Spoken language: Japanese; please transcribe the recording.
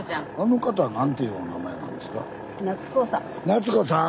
夏子さん。